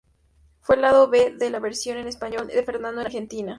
Fue lado B de la versión en español de Fernando en Argentina.